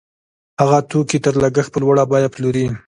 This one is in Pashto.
هغه توکي تر لګښت په لوړه بیه پلوري